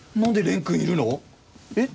えっ？